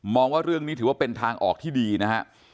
ว่าเรื่องนี้ถือว่าเป็นทางออกที่ดีนะฮะ